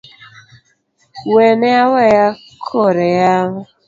Wene awena kore yawa